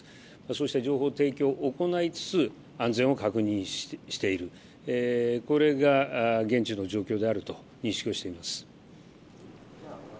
そうした情報提供を行いつつ安全を確認している、これが状況であると認識しています。